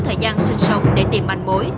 thời gian sinh sống để tìm ảnh mối